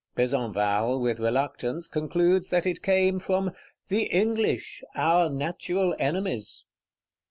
Besenval, with reluctance, concludes that it came from "the English, our natural enemies."